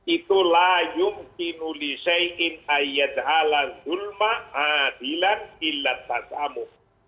itulah yung tinulisai in ayat halal zulma adilan illat tasamu